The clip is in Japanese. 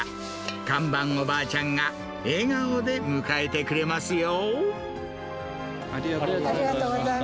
看板おばあちゃんが、笑顔で迎えてくれますよ。